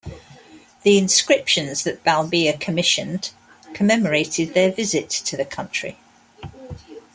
The inscriptions that Balbilla commissioned commemorated their visit to the country.